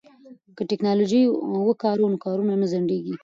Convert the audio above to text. که ټیکنالوژي وکاروو نو کارونه نه ځنډیږي.